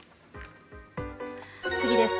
次です。